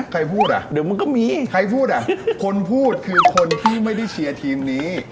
ใครพูดอะใครพูดอะคนพูดคือคนที่ไม่ได้เชียร์ทีมนี้